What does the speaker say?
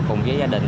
cùng với gia đình